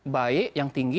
baik yang tinggi